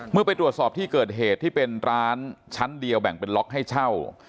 ไปตรวจสอบที่เกิดเหตุที่เป็นร้านชั้นเดียวแบ่งเป็นล็อกให้เช่า